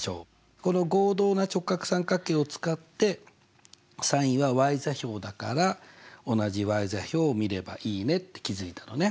この合同な直角三角形を使ってｓｉｎは座標だから同じ座標を見ればいいねって気付いたのね。